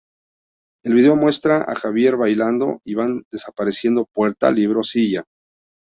El video muestra a Javiera bailando, y van desapareciendo puerta, libro, silla.